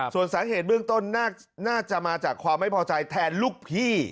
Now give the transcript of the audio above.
ส่วนสาเหตุเบื้องต้นน่าจะมาจากความไม่พอใจแทนลูกพี่